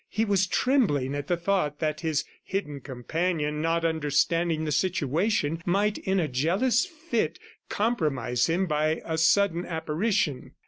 He was trembling at the thought that his hidden companion, not understanding the situation, might in a jealous fit, compromise him by a sudden apparition.